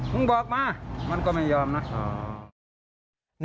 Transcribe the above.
มึงบอกมามันก็ไม่ยอมนะ